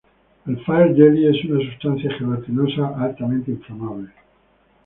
El Fire Jelly es una substancia gelatinosa altamente inflamable.